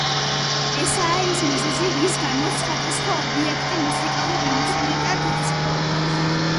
ესაა ის მიზეზი, რის გამოც სხვადასხვა ობიექტი მუსიკალურ ინსტრუმენტად იქცევა.